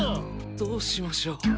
どうしましょう？